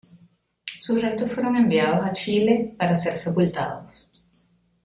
Sus restos fueron enviados a Chile para ser sepultados.